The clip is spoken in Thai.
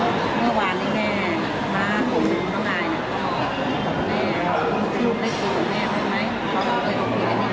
และลูกได้คุยกับแม่ไว้ไหมเค้าเริ่มคุยกับลูกกันได้ครับ